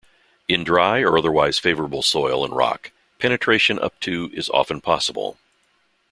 In dry or otherwise favorable soil and rock, penetration up to is often possible.